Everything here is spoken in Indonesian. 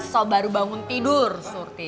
so baru bangun tidur surti